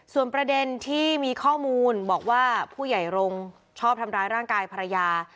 ส่วนประเด็นที่มีข้อมูลบอกว่าผู้ใหญ่รงค์ชอบทำร้ายร่างกายภรรยา